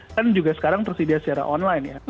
kan juga sekarang tersedia secara online ya